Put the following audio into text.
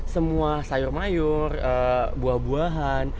semua sayur mayur buah buahan